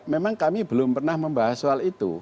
memang kami belum pernah membahas soal itu